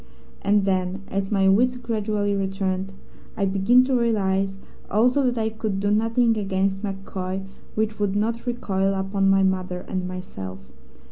And then, as my wits gradually returned, I began to realize also that I could do nothing against MacCoy which would not recoil upon my mother and myself.